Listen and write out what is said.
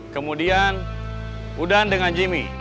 kemudian udan dengan jimmy